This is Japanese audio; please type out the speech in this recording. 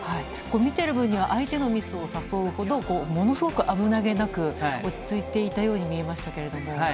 見てる分には、相手のミスを誘うほど、ものすごく危なげなく、落ち着いていたように見えましたけれども。